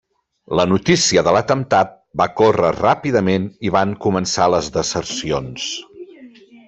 La notícia de l'atemptat va córrer ràpidament i van començar les desercions.